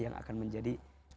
yang akan menjadi